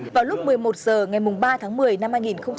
vào lúc một mươi một h ngày ba tháng một mươi năm hai nghìn một mươi chín